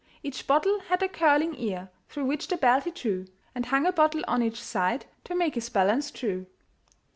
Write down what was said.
Each bottle had a curling ear, Through which the belt he drew, And hung a bottle on each side, To make his balance true.